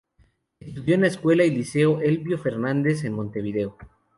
Estudió en la Escuela y Liceo Elbio Fernández en Montevideo.